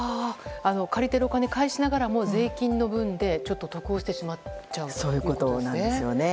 借りているお金を返しながらも税金の分でちょっと得をしてしまっちゃうということですね。